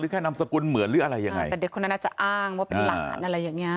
แค่นามสกุลเหมือนหรืออะไรยังไงแต่เด็กคนนั้นอาจจะอ้างว่าเป็นหลานอะไรอย่างเงี้